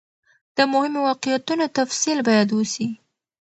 د مهمو واقعیتونو تفصیل باید وسي.